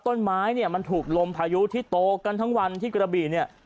ต้นไม้เนี่ยมันถูกลมพายุที่โตกันทั้งวันที่กระบี่เนี่ย